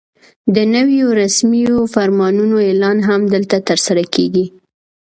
د نویو رسمي فرمانونو اعلان هم دلته ترسره کېږي.